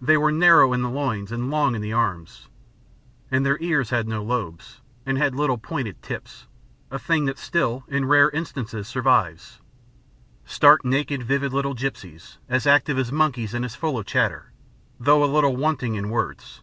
They were narrow in the loins and long in the arms. And their ears had no lobes, and had little pointed tips, a thing that still, in rare instances, survives. Stark naked vivid little gipsies, as active as monkeys and as full of chatter, though a little wanting in words.